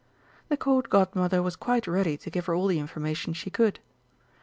The Court Godmother was quite ready to give her all the information she could.